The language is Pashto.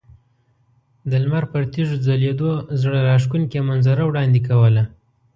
د لمر پر تیږو ځلیدو زړه راښکونکې منظره وړاندې کوله.